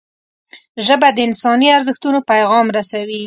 ژبه د انساني ارزښتونو پیغام رسوي